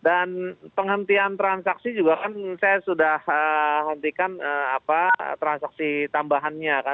dan penghentian transaksi juga kan saya sudah hentikan transaksi tambahannya kan